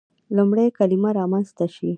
لومړی کلمه رامنځته شي.